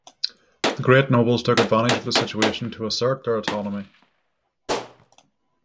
The great nobles took advantage of the situation to assert their autonomy.